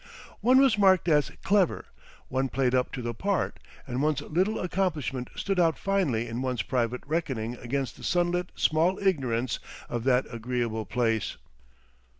One was marked as "clever," one played up to the part, and one's little accomplishment stood out finely in one's private reckoning against the sunlit small ignorance of that agreeable place.